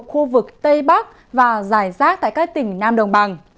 khu vực tây bắc và giải giác tại các tỉnh nam đồng bằng